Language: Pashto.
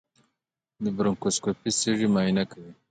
د برونکوسکوپي سږي معاینه کوي.